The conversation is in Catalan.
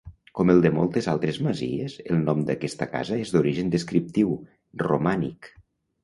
Com el de moltes altres masies, el nom d'aquesta casa és d'origen descriptiu, romànic.